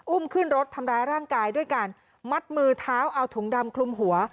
อุ้มขึ้นรถทำร้ายร่างกายด้วยการมัดมือเท้าเอาถุงดำคลุมหัว